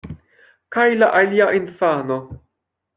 Kaj la alia infano?